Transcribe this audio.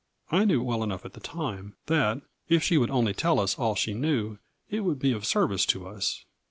I knew well enough at the time that if she would only tell us all she knew it would be of service to us.